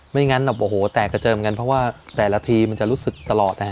ไม่งั้นแบบโอ้โหแตกกระเจิมกันเพราะว่าแต่ละทีมันจะรู้สึกตลอดนะฮะ